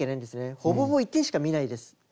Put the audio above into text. ほぼほぼ一点しか見ないです。